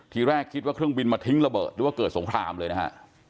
ทีแรกคิดว่าเครื่องบินมาทิ้งระเบิดหรือว่าเกิดสงครามเลยนะฮะ